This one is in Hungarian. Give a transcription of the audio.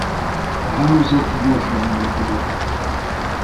A hálózat gyorsan növekedett.